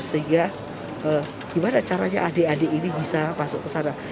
sehingga gimana caranya adik adik ini bisa masuk ke sana